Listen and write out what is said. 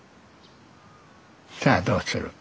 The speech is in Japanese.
さあどうする。